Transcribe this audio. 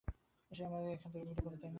সে আমাদেরকে এখান থেকে মুক্ত করবে, তাই না?